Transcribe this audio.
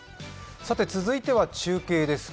続いては中継です。